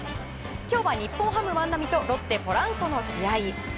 今日は日本ハム、万波とロッテ、ポランコの試合。